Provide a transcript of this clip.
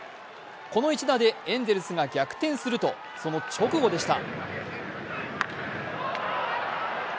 この一打でエンゼルスが逆転すると、その直後でした。